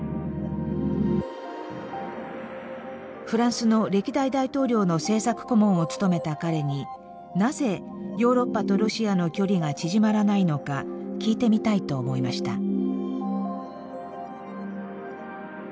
フランスの歴代大統領の政策顧問を務めた彼になぜヨーロッパとロシアの距離が縮まらないのか聞いてみたいと思いました。